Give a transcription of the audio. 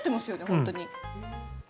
本当に。